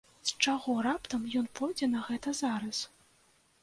З чаго раптам ён пойдзе на гэта зараз?